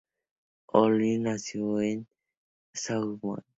Oliveira nació en São Paulo.